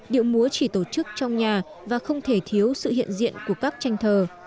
điệu múa chỉ tổ chức trong nhà và không thể thiếu sự hiện diện của các tranh thờ